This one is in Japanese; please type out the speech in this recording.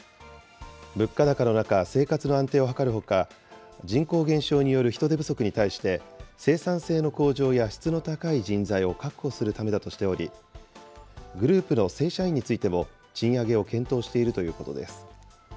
物価高の中、生活の安定を図るほか、人口減少による人手不足に対して、生産性の向上や質の高い人材を確保するためだとしており、グループの正社員についても、賃上げを検討しているということです。